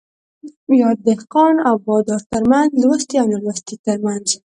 يا دهقان او بادار ترمنځ ،لوستي او نالوستي ترمنځ